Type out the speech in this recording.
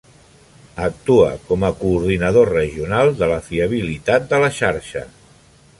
Actua com a coordinador regional de la fiabilitat de la xarxa.